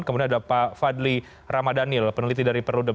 kemudian ada pak fadli ramadhanil peneliti dari perludem